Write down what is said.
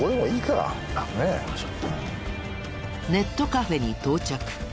ネットカフェに到着。